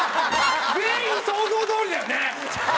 全員想像どおりだよね？